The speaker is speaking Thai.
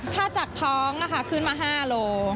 ถ้าจากท้องก็คืนมา๕โล